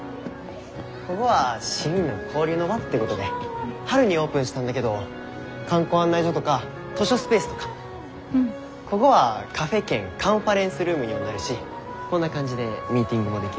こごは市民の交流の場ってごどで春にオープンしたんだけど観光案内所とか図書スペースとか。こごはカフェ兼カンファレンスルームにもなるしこんな感じでミーティングもできる。